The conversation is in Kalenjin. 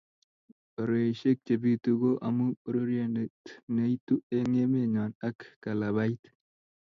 Boriosiek chebitu ko amu pororiondit neitu eng emenyo ak kalabait